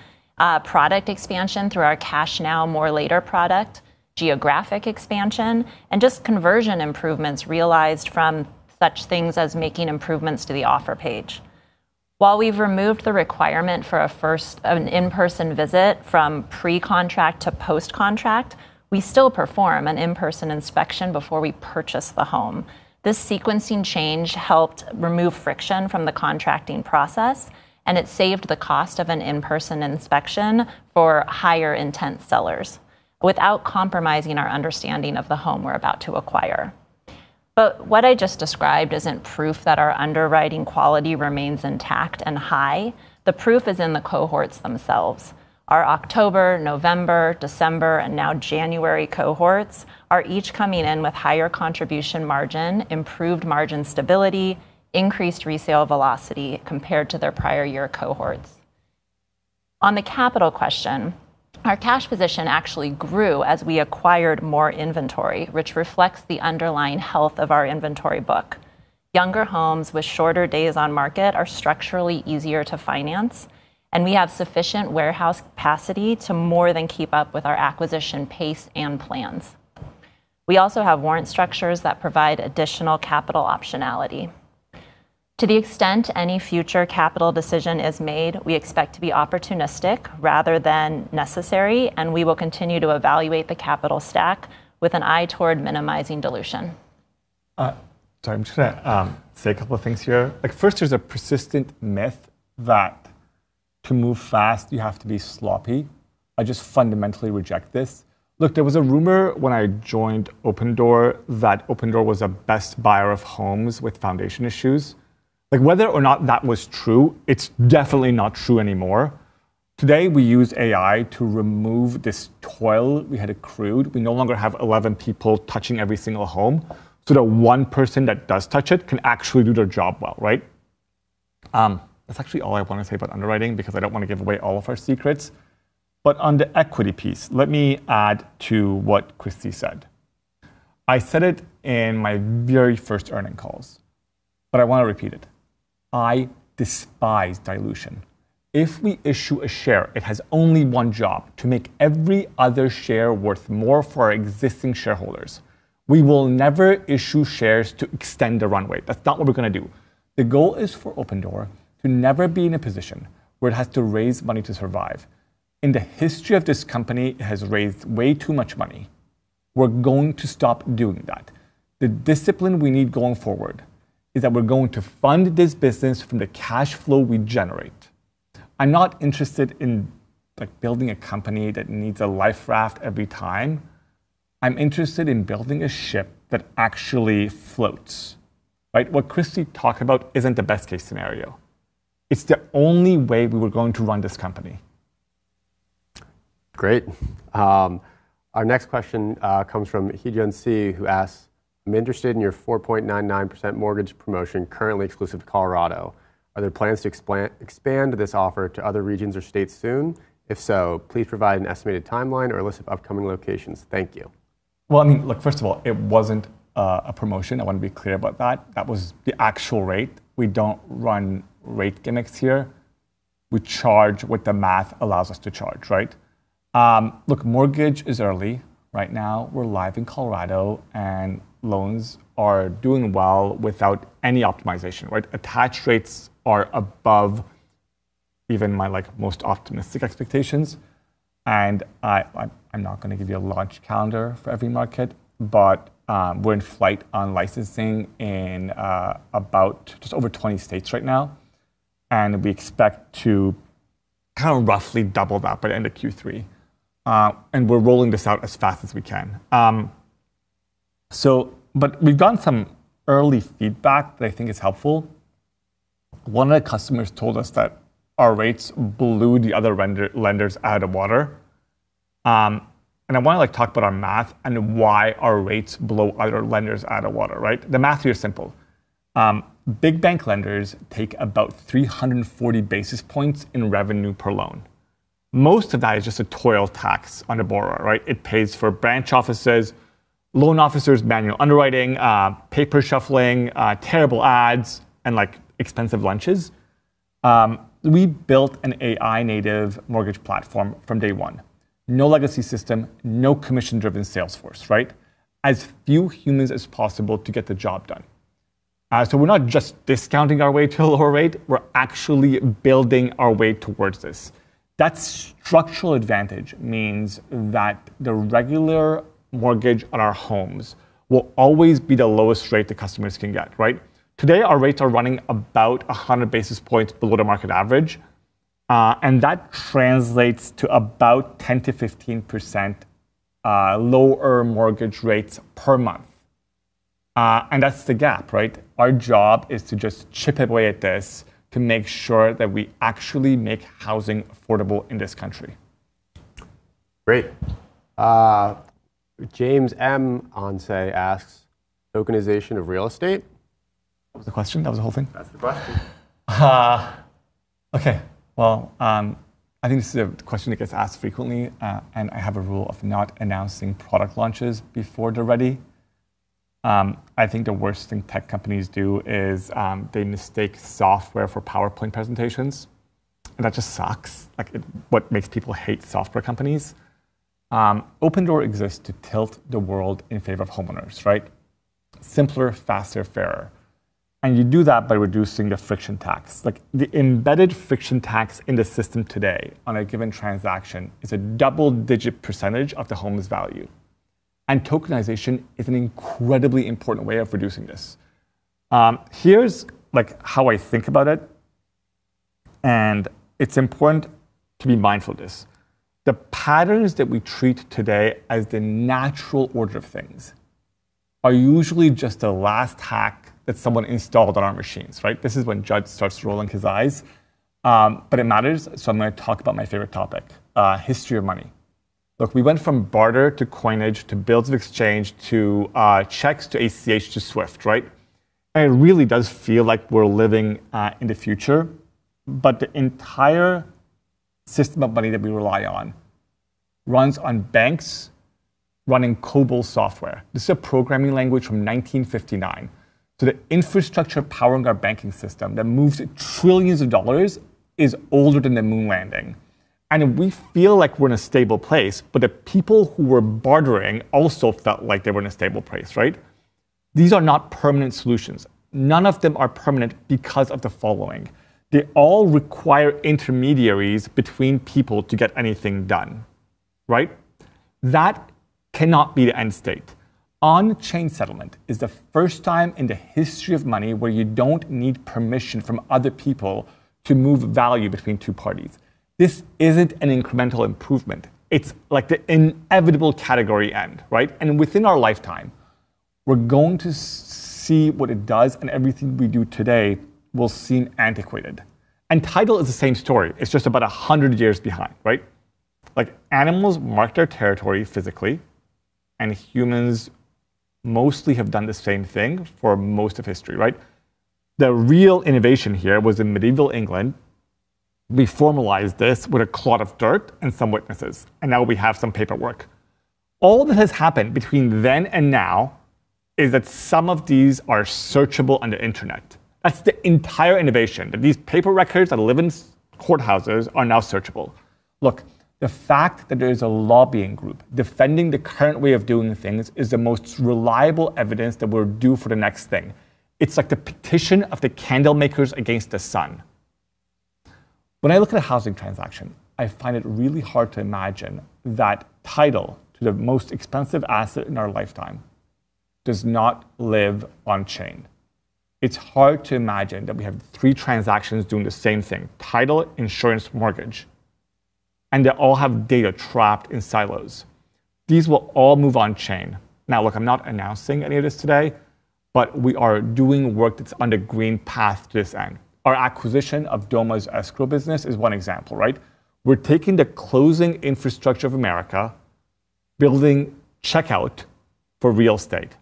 product expansion, through our Cash Now, More Later product, geographic expansion, and just conversion improvements realized from such things as making improvements to the offer page. While we've removed the requirement for a first in-person visit from pre-contract to post-contract, we still perform an in-person inspection before we purchase the home. This sequencing change helped remove friction from the contracting process, and it saved the cost of an in-person inspection for higher intent sellers without compromising our understanding of the home we're about to acquire. What I just described isn't proof that our underwriting quality remains intact and high. The proof is in the cohorts themselves. Our October, November, December, and now January cohorts are each coming in with higher contribution margin, improved margin stability, increased resale velocity compared to their prior year cohorts. On the capital question, our cash position actually grew as we acquired more inventory, which reflects the underlying health of our inventory book. Younger homes with shorter days on market are structurally easier to finance, and we have sufficient warehouse capacity to more than keep up with our acquisition pace and plans. We also have warrant structures that provide additional capital optionality. To the extent any future capital decision is made, we expect to be opportunistic rather than necessary, and we will continue to evaluate the capital stack with an eye toward minimizing dilution. Sorry, I'm just going to say a couple of things here. Like, first, there's a persistent myth that to move fast, you have to be sloppy. I just fundamentally reject this. Look, there was a rumor when I joined Opendoor that Opendoor was a best buyer of homes with foundation issues. Like, whether or not that was true, it's definitely not true anymore. Today, we use AI to remove this toil we had accrued. We no longer have 11 people touching every single home so the one person that does touch it can actually do their job well, right? That's actually all I want to say about underwriting because I don't want to give away all of our secrets. On the equity piece, let me add to what Christy said. I said it in my very first earning calls, but I want to repeat it. I despise dilution. If we issue a share, it has only one job: to make every other share worth more for our existing shareholders. We will never issue shares to extend the runway. That's not what we're gonna do. The goal is for Opendoor to never be in a position where it has to raise money to survive. In the history of this company, it has raised way too much money. We're going to stop doing that. The discipline we need going forward is that we're going to fund this business from the cash flow we generate. I'm not interested in, like, building a company that needs a life raft every time. I'm interested in building a ship that actually floats, right? What Christy talked about isn't the best case scenario. It's the only way we were going to run this company. Great. Our next question comes from Heejun C., who asks, "I'm interested in your 4.99% mortgage promotion currently exclusive to Colorado. Are there plans to expand this offer to other regions or states soon? If so, please provide an estimated timeline or a list of upcoming locations. Thank you. Well, I mean, look, first of all, it wasn't a promotion. I wanna be clear about that. That was the actual rate. We don't run rate gimmicks here. We charge what the math allows us to charge, right? Look, mortgage is early. Right now, we're live in Colorado. Loans are doing well without any optimization, right? Attach rates are above even my, like, most optimistic expectations. I'm not gonna give you a launch calendar for every market. We're in flight on licensing in about just over 20 states right now. We expect to kind of roughly double that by the end of Q3. We're rolling this out as fast as we can. We've gotten some early feedback that I think is helpful. One of the customers told us that our rates blew the other lenders out of water. And I wanna, like, talk about our math and why our rates blow other lenders out of water, right. The math here is simple. Big bank lenders take about 340 basis points in revenue per loan. Most of that is just a toil tax on a borrower, right. It pays for branch offices, loan officers, manual underwriting, paper shuffling, terrible ads, and, like, expensive lunches. We built an AI native mortgage platform from day one. No legacy system, no commission driven sales force, right. As few humans as possible to get the job done. So we're not just discounting our way to a lower rate, we're actually building our way towards this. That structural advantage means that the regular mortgage on our homes will always be the lowest rate the customers can get, right? Today our rates are running about 100 basis points below the market average, that translates to about 10%-15% lower mortgage rates per month. That's the gap, right? Our job is to just chip away at this to make sure that we actually make housing affordable in this country. Great. James M. on Say asks, "Tokenization of real estate? That was the question? That was the whole thing? That's the question. Ha. Okay. Well, I think this is a question that gets asked frequently, and I have a rule of not announcing product launches before they're ready. I think the worst thing tech companies do is, they mistake software for PowerPoint presentations, and that just sucks. Like, it what makes people hate software companies. Opendoor exists to tilt the world in favor of homeowners, right? Simpler, faster, fairer. You do that by reducing the friction tax. Like, the embedded friction tax in the system today on a given transaction is a double-digit percentage of the home's value, and tokenization is an incredibly important way of reducing this. Here's, like, how I think about it, and it's important to be mindful of this. The patterns that we treat today as the natural order of things are usually just the last hack that someone installed on our machines, right? This is when Judd starts rolling his eyes. It matters, so I'm gonna talk about my favorite topic, history of money. Look, we went from barter to coinage to bills of exchange to checks to ACH to SWIFT, right? It really does feel like we're living, in the future, but the entire system of money that we rely on runs on banks running COBOL software. This is a programming language from 1959. The infrastructure powering our banking system that moves trillions of dollars is older than the Moon landing. We feel like we're in a stable place, but the people who were bartering also felt like they were in a stable place, right? These are not permanent solutions. None of them are permanent because of the following: they all require intermediaries between people to get anything done. That cannot be the end state. On-chain settlement is the first time in the history of money where you don't need permission from other people to move value between two parties. This isn't an incremental improvement. It's the inevitable category end. Within our lifetime, we're going to see what it does, and everything we do today will seem antiquated. Title is the same story. It's just about 100 years behind. Animals marked their territory physically, and humans mostly have done the same thing for most of history. The real innovation here was in medieval England. We formalized this with a clod of dirt and some witnesses, and now we have some paperwork. All that has happened between then and now is that some of these are searchable on the internet. That's the entire innovation, that these paper records that live in courthouses are now searchable. Look, the fact that there is a lobbying group defending the current way of doing things is the most reliable evidence that we're due for the next thing. It's like the petition of the candle makers against the sun. When I look at a housing transaction, I find it really hard to imagine that title to the most expensive asset in our lifetime does not live on-chain. It's hard to imagine that we have three transactions doing the same thing, title, insurance, mortgage, and they all have data trapped in silos. These will all move on-chain. Look, I'm not announcing any of this today, but we are doing work that's on the green path to this end. Our acquisition of Doma's escrow business is one example, right? We're taking the closing infrastructure of America, building checkout for real estate.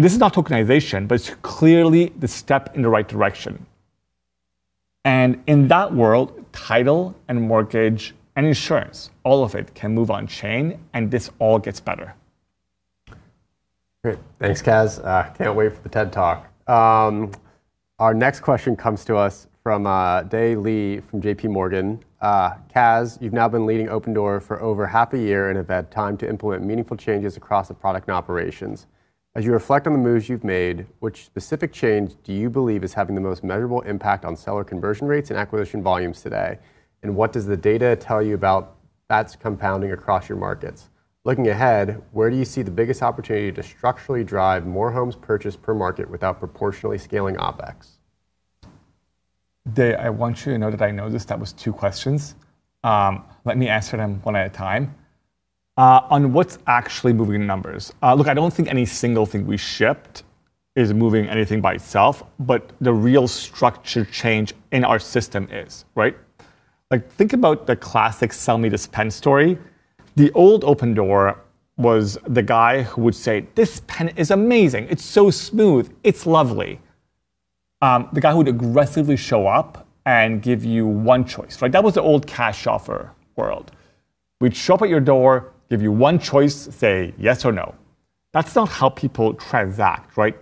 This is not tokenization, but it's clearly the step in the right direction. In that world, title and mortgage and insurance, all of it can move on-chain and this all gets better. Great. Thanks, Kaz. Can't wait for the TED Talk. Our next question comes to us from Dae Lee from JPMorgan. "Kaz, you've now been leading Opendoor for over half a year and have had time to implement meaningful changes across the product and operations. As you reflect on the moves you've made, which specific change do you believe is having the most measurable impact on seller conversion rates and acquisition volumes today, and what does the data tell you about that's compounding across your markets? Looking ahead, where do you see the biggest opportunity to structurally drive more homes purchased per market without proportionally scaling OpEx? Dae, I want you to know that I know that that was two questions. Let me answer them one at a time. On what's actually moving the numbers, look, I don't think any single thing we shipped is moving anything by itself, but the real structure change in our system is, right? Like, think about the classic sell me this pen story. The old Opendoor was the guy who would say, "This pen is amazing. It's so smooth. It's lovely." The guy who'd aggressively show up and give you one choice, right? That was the old cash offer world. We'd show up at your door, give you one choice, say yes or no. That's not how people transact, right?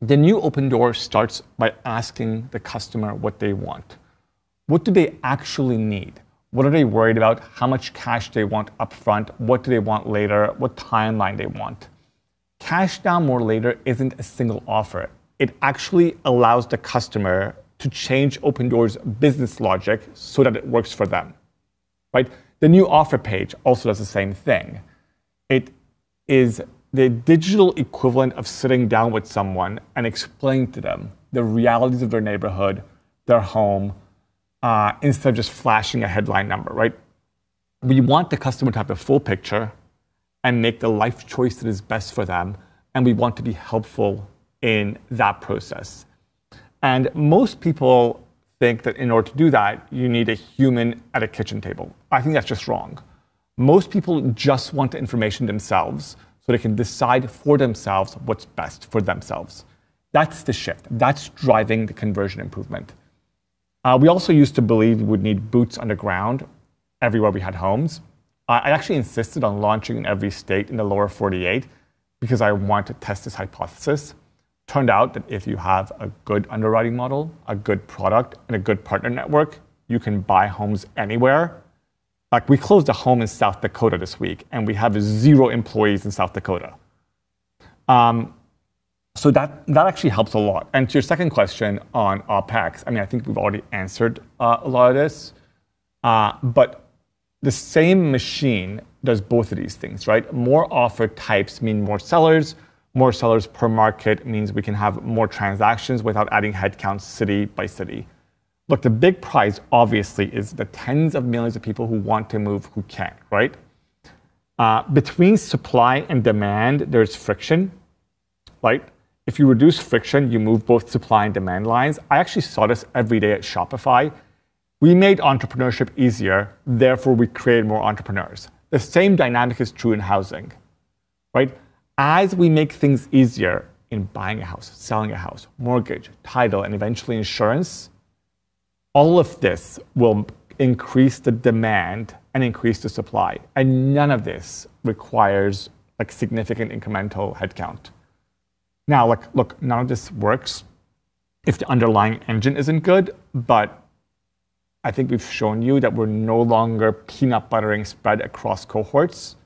The new Opendoor starts by asking the customer what they want. What do they actually need? What are they worried about? How much cash they want upfront, what do they want lter, what timeline they want. Cash Now, More Later isn't a single offer. It actually allows the customer to change Opendoor's business logic so that it works for them, right? The new offer page also does the same thing. It is the digital equivalent of sitting down with someone and explaining to them the realities of their neighborhood, their home, instead of just flashing a headline number, right? We want the customer to have the full picture and make the life choice that is best for them, and we want to be helpful in that process. Most people think that in order to do that, you need a human at a kitchen table. I think that's just wrong. Most people just want the information themselves, so they can decide for themselves what's best for themselves. That's the shift. That's driving the conversion improvement. We also used to believe we'd need boots on the ground everywhere we had homes. I actually insisted on launching every state in the lower 48 because I wanted to test this hypothesis. Turned out that if you have a good underwriting model, a good product, and a good partner network, you can buy homes anywhere. Like, we closed a home in South Dakota this week, and we have zero employees in South Dakota. That actually helps a lot. To your second question on OpEx, I mean, I think we've already answered a lot of this. The same machine does both of these things, right? More offer types mean more sellers. More sellers per market means we can have more transactions without adding headcount city by city. Look, the big prize obviously is the tens of millions of people who want to move who can't, right? Between supply and demand, there's friction, right? If you reduce friction, you move both supply and demand lines. I actually saw this every day at Shopify. We made entrepreneurship easier, therefore we created more entrepreneurs. The same dynamic is true in housing, right? As we make things easier in buying a house, selling a house, mortgage, title, and eventually insurance, all of this will increase the demand and increase the supply, and none of this requires, like, significant incremental headcount. Now, like look, none of this works if the underlying engine isn't good, but I think we've shown you that we're no longer peanut butter spread across cohorts,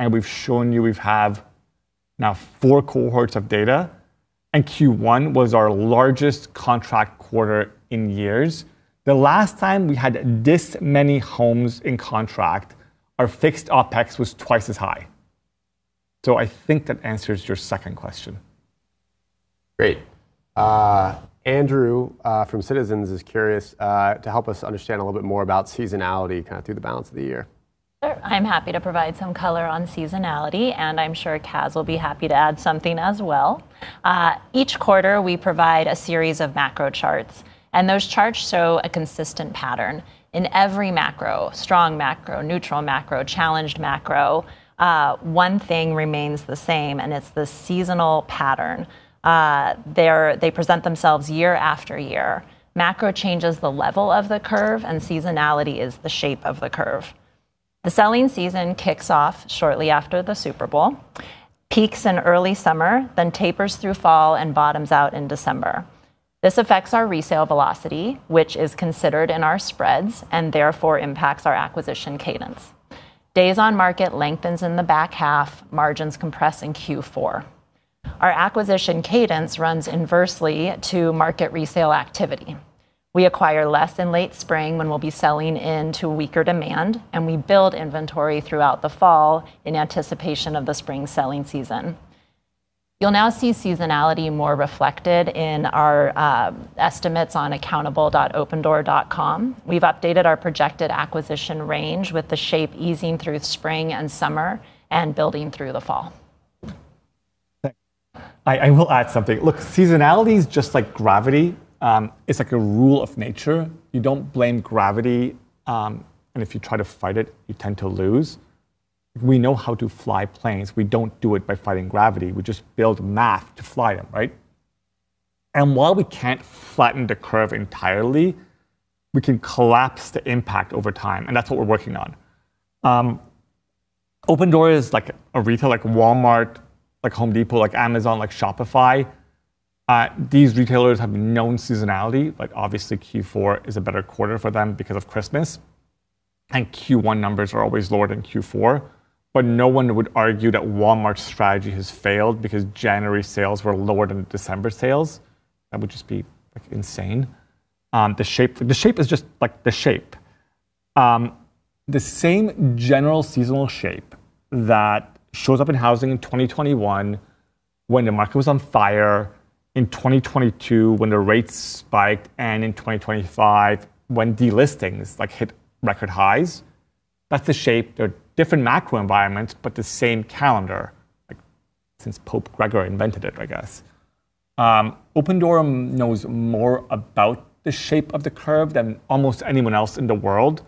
and we've shown you we have now four cohorts of data, and Q1 was our largest contract quarter in years. The last time we had this many homes in contract, our fixed OpEx was twice as high. I think that answers your second question. Great. Andrew from Citizens is curious to help us understand a little bit more about seasonality kind of through the balance of the year. Sure. I'm happy to provide some color on seasonality, and I'm sure Kaz will be happy to add something as well. Each quarter we provide a series of macro charts. Those charts show a consistent pattern. In every macro, strong macro, neutral macro, challenged macro, one thing remains the same. It's the seasonal pattern. They present themselves year after year. Macro changes the level of the curve. Seasonality is the shape of the curve. The selling season kicks off shortly after the Super Bowl, peaks in early summer, tapers through fall and bottoms out in December. This affects our resale velocity, which is considered in our spreads and therefore impacts our acquisition cadence. Days on market lengthens in the back half, margins compress in Q4. Our acquisition cadence runs inversely to market resale activity. We acquire less in late spring when we'll be selling into weaker demand, and we build inventory throughout the fall in anticipation of the spring selling season. You'll now see seasonality more reflected in our estimates on accountable.opendoor.com. We've updated our projected acquisition range with the shape easing through spring and summer and building through the fall. Thanks. I will add something. Look, seasonality is just like gravity. It's like a rule of nature. You don't blame gravity. If you try to fight it, you tend to lose. We know how to fly planes. We don't do it by fighting gravity. We just build math to fly them, right? While we can't flatten the curve entirely, we can collapse the impact over time. That's what we're working on. Opendoor is like a retail like Walmart, like Home Depot, like Amazon, like Shopify. These retailers have known seasonality, like obviously Q4 is a better quarter for them because of Christmas. Q1 numbers are always lower than Q4. No one would argue that Walmart's strategy has failed because January sales were lower than December sales. That would just be, like, insane. The shape is just the shape. The same general seasonal shape that shows up in housing in 2021 when the market was on fire, in 2022 when the rates spiked, and in 2025 when delistings hit record highs, that's the shape. They're different macro environments, the same calendar, since Pope Gregory invented it, I guess. Opendoor knows more about the shape of the curve than almost anyone else in the world,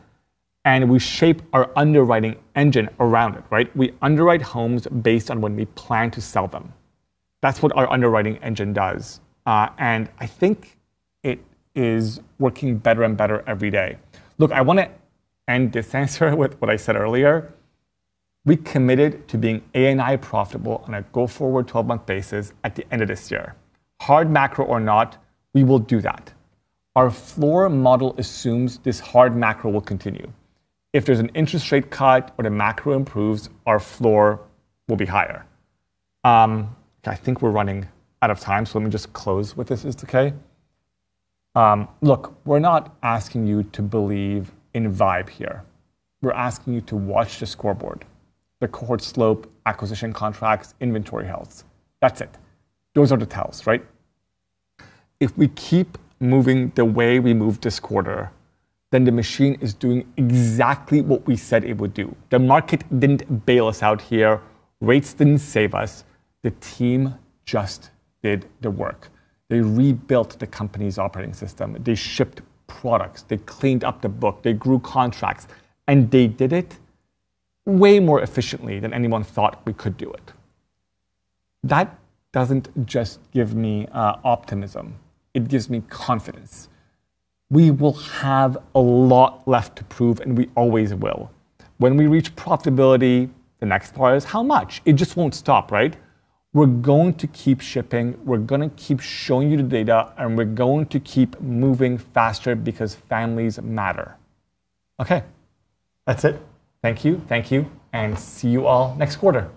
and we shape our underwriting engine around it, right? We underwrite homes based on when we plan to sell them. That's what our underwriting engine does. I think it is working better and better every day. Look, I wanna end this answer with what I said earlier. We committed to being ANI profitable on a go-forward 12-month basis at the end of this year. Hard macro or not, we will do that. Our floor model assumes this hard macro will continue. If there's an interest rate cut or the macro improves, our floor will be higher. I think we're running out of time, so let me just close what this is, okay. Look, we're not asking you to believe in vibe here. We're asking you to watch the scoreboard. The cohort slope, acquisition contracts, inventory health. That's it. Those are the tells, right. If we keep moving the way we moved this quarter, then the machine is doing exactly what we said it would do. The market didn't bail us out here. Rates didn't save us. The team just did the work. They rebuilt the company's operating system. They shipped products. They cleaned up the book. They grew contracts. They did it way more efficiently than anyone thought we could do it. That doesn't just give me optimism. It gives me confidence. We will have a lot left to prove, and we always will. When we reach profitability, the next part is how much? It just won't stop, right? We're going to keep shipping. We're gonna keep showing you the data, and we're going to keep moving faster because families matter. Okay. That's it. Thank you, thank you, and see you all next quarter.